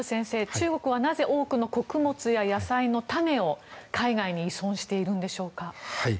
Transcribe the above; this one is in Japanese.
中国はなぜ多くの穀物や野菜の種を海外に依存しているんでしょうか。